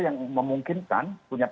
yang memungkinkan punya pengetahuan